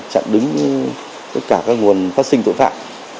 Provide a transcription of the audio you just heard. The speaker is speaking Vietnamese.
chặn đứng tất cả các nguồn phát sinh tội phạm